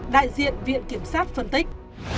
đại diện viện kiểm soát phân tích